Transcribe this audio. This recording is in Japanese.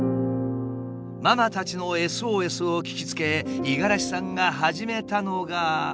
ママたちのＳＯＳを聞きつけ五十嵐さんが始めたのが。